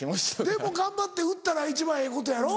でも頑張って売ったら一番ええことやろ？